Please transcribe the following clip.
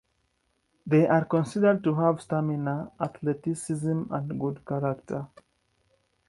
They are considered to have stamina, athleticism and good character.